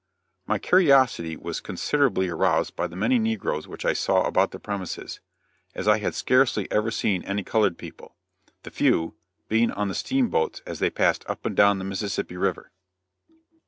My curiosity was considerably aroused by the many negroes which I saw about the premises, as I had scarcely ever seen any colored people, the few, being on the steamboats as they passed up and down the Mississippi river.